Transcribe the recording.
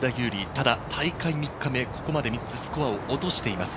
ただ大会３日目、ここまで３つスコアを落としています。